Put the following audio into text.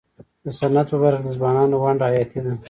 د صنعت په برخه کي د ځوانانو ونډه حیاتي ده.